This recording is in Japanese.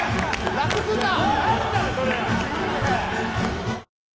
楽すんな・